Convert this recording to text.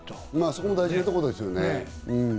そこも大事なところですよね。